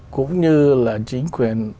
cũng như là chính quyền